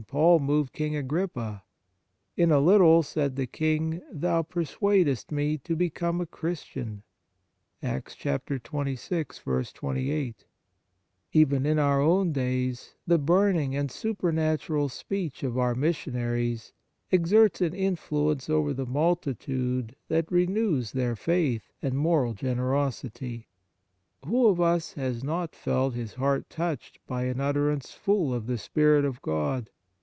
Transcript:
Paul moved King Agrippa. " In a little," said the King, " thou persuadest me to become a Christian." J Even in our own days, the burning and super natural speech of our missionaries exerts an influence over the multitude that renews their faith and moral generosity. Who of us has not felt his heart touched by an utterance full of the spirit of God